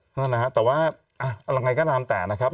ใช่นะครับแต่ว่าอะไรไงก็ตามแต่นะครับ